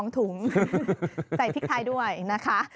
๒ถุงใส่พริกไทยด้วยนะคะ